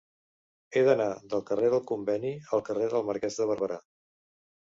He d'anar del carrer del Conveni al carrer del Marquès de Barberà.